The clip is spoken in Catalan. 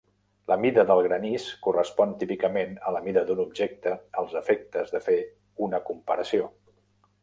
La mida del granís correspon típicament a la mida d'un objecte als efectes de fer una comparació.